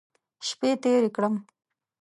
شپې تېرې کړم.